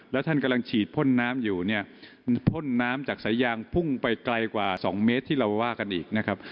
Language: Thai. แล้วท่านกำลังฉีดพ่นน้ำอยู่เนี่ยมันพ่นน้ำจากสายางพุ่งไปไกลกว่า๒เมตรที่เราว่ากันอีกนะครับ